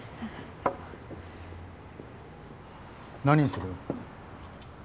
何にする？